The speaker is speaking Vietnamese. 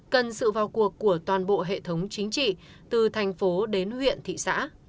cần sự vào cuộc của toàn bộ hệ thống chính trị từ thành phố đến huyện thị xã